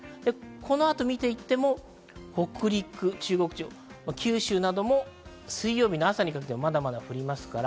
この後を見ていっても北陸、中国地方、九州なども水曜日の朝にかけてまだまだ降ります。